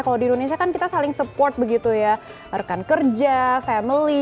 kalau di indonesia kan kita saling support begitu ya rekan kerja family